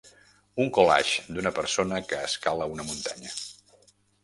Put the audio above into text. Un collage d'una persona que escala una muntanya.